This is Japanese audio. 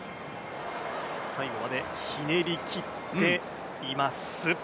最後までひねりきっています。